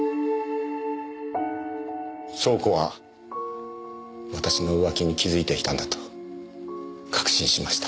湘子は私の浮気に気付いていたんだと確信しました。